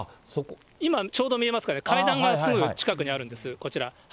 今、ちょうど見えますかね、階段がすぐ近くにあるんです、こちら。